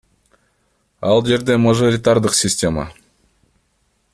Ал жерде мажоритардык система.